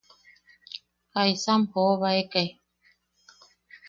¿Jaisa am joobaekai?